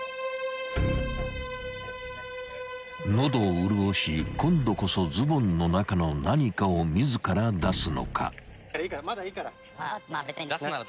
［喉を潤し今度こそズボンの中の何かを自ら出すのか？］